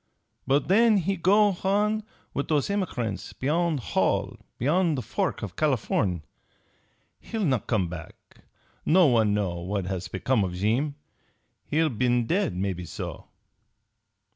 But then he go h'on with those h'emigrant beyon' Hall, beyon' the fork for Californ'. He'll not come back. No one know what has become of Jeem. He'll been dead, maybe so."